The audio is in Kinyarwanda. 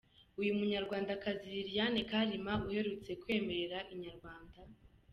Uyu munyarwandakazi Liliane Kalima uherutse kwemerera Inyarwanda.